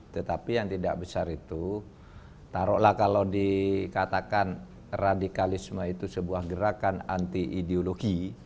tetapi yang tidak besar itu taruhlah kalau dikatakan radikalisme itu sebuah gerakan anti ideologi